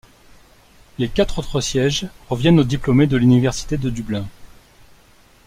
Les quatre autres sièges reviennent aux diplômés de l'université de Dublin.